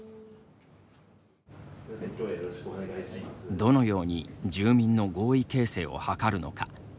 どのように住民の合意形成を図るのか。